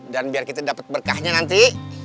dan biar kita dapat berkahnya nanti